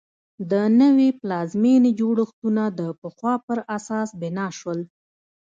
د نوې پلازمېنې جوړښتونه د پخوا پر اساس بنا شول.